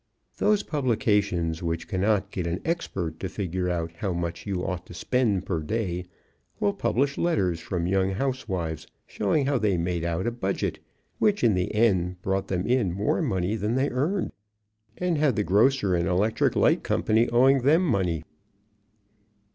Those publications which cannot get an expert to figure out how much you ought to spend per day will publish letters from young housewives showing how they made out a budget which in the end brought them in more money than they earned and had the grocer and electric light company owing them money.